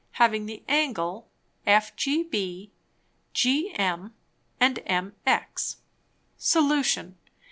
having the Angle FGB, GM, and MX. _Solution.